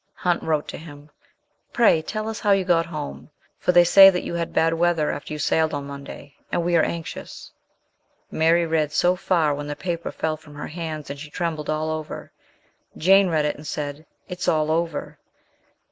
Hunt wrote to him :" Pray write to tell us how you got home, for they say that you had bad weather after you sailed on Monday, and we are anxious." Mary read so far when the paper fell from her hands and she trembled all over. Jane read it, and said, "It is all over."